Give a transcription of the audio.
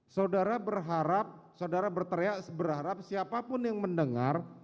saudara berharap saudara berteriak berharap siapapun yang mendengar